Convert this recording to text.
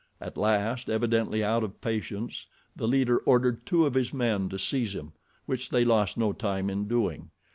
At last, evidently out of patience, the leader ordered two of his men to seize him, which they lost no time in doing.